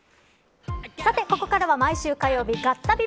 さて、ここからは毎週火曜日ガッタビ！！